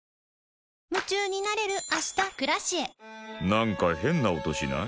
なんか変な音しない？